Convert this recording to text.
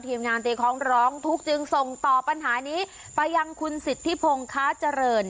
ทีมงานตีของร้องทุกข์จึงส่งตอบปัญหานี้ประยังคุณสิทธิพงฆาจรรย์